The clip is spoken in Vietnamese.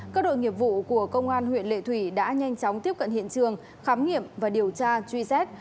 các đội nghiệp vụ của công an huyện lệ thủy đã nhanh chóng tiếp cận hiện trường khám nghiệm và điều tra truy xét